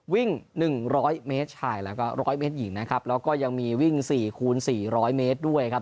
วิ่ง๑๐๐เมตรชายแล้วก็ร้อยเมตรหญิงนะครับแล้วก็ยังมีวิ่ง๔คูณ๔๐๐เมตรด้วยครับ